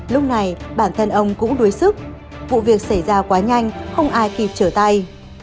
lúc này bản thân ông cũng đuối sức vụ việc xảy ra quá nhanh không ai kịp trở tay